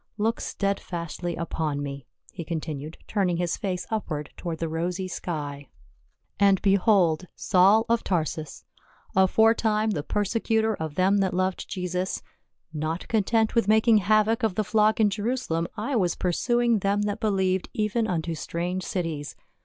Look steadfastly upon mc," he con tinued, turning his face upward toward the rosy sky. 188 PA UL. " and behold Saul of Tarsus, aforetime the perse cutor of them that loved Jesus. Not content with making havoc of the flock in Jerusalem, I was pursu ing them that believed even unto strange cities.